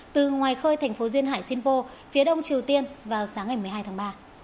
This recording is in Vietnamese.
từ ngoài khơi thành phố duyên hải shinpo phía đông triều tiên vào sáng ngày một mươi hai tháng ba